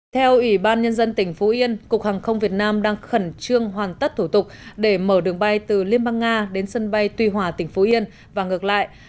theo ủy ban nhân dân tỉnh phú yên cục hàng không việt nam đang khẩn trương hoàn tất thủ tục để mở đường bay từ liên bang nga đến sân bay tuy hòa tỉnh phú yên và ngược lại